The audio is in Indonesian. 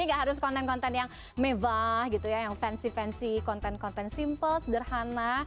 enggak harus konten konten yang mewah gitu yang fancy fancy konten konten simple sederhana